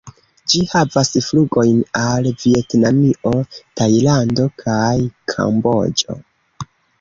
Ĝi havas flugojn al Vjetnamio, Tajlando kaj Kamboĝo.